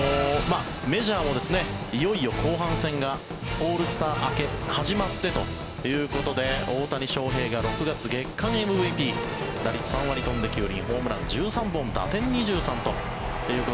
メジャーもいよいよ後半戦がオールスター明け始まってということで大谷翔平が６月月間ＭＶＰ打率３割飛んで９厘